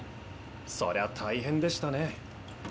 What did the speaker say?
そりゃ大変でしたね。